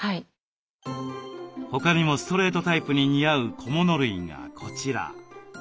他にもストレートタイプに似合う小物類がこちら。